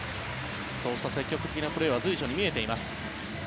そうした積極的なプレーは随所に見えています。